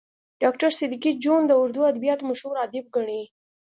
ډاکټر صدیقي جون د اردو ادبياتو مشهور ادیب ګڼي